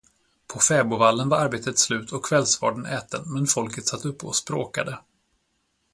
På fäbodvallen var arbetet slut och kvällsvarden äten, men folket satt uppe och språkade.